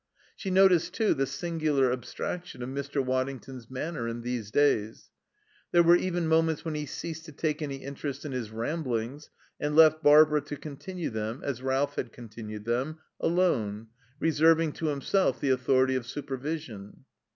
She noticed, too, the singular abstraction of Mr. Waddington's manner in these days. There were even moments when he ceased to take any interest in his Ramblings, and left Barbara to continue them, as Ralph had continued them, alone, reserving to himself the authority of supervision.